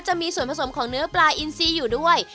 จะมีส่วนผสมของเนื้อปลาอินซีอยู่ด้วย